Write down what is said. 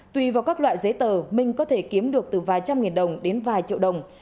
tùy vào các loại giấy tờ minh có thể kiếm được từ vài trăm nghìn đồng đến vài triệu đồng